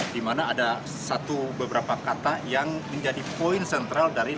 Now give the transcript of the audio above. di mana ada beberapa kata yang menjadi poin sentral